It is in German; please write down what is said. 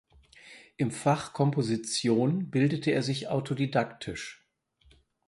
Im Fach Komposition bildete er sich autodidaktisch.